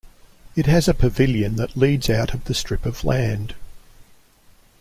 It has a pavilion that leads out of the strip of land.